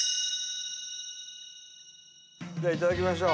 じゃあいただきましょう。